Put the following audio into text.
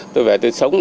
tôi về đây sống